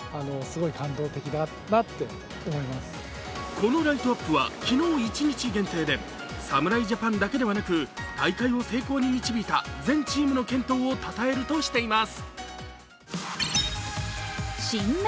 このライトアップは昨日一日限定で侍ジャパンだけではなく大会を成功に導いた全チームの健闘をたたえるとしています。